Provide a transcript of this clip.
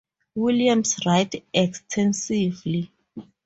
Williams writes extensively.